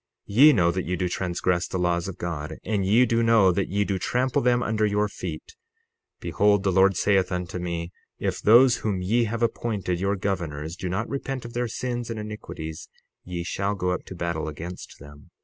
60:33 Ye know that ye do transgress the laws of God, and ye do know that ye do trample them under your feet. Behold, the Lord saith unto me: If those whom ye have appointed your governors do not repent of their sins and iniquities, ye shall go up to battle against them.